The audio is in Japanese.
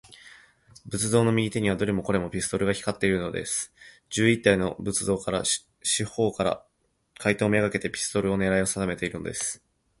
仏像の右手には、どれもこれも、ピストルが光っているのです。十一体の仏像が、四ほうから、怪盗めがけて、ピストルのねらいをさだめているのです。